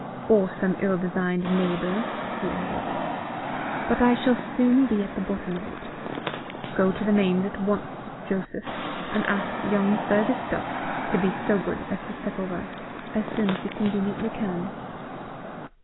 "Or some ill designed neighbour," he added. "But I shall soon be at the bottom of it. Go to the Mains at once, Joseph, and ask young Fergus Duff to be so good as step over, as soon as he conveniently can."